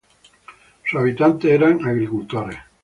Sus habitantes eran agricultores.